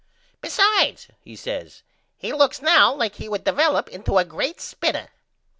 Besides, he says, he looks now like he would divellop into a great spitter.